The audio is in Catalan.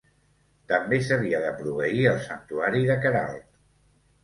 També s'havia de proveir el Santuari de Queralt.